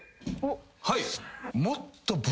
はい。